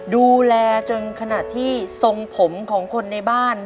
ดูแลจนขณะที่ทรงผมของคนในบ้าน